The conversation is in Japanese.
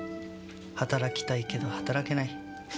働きたいけど働けない。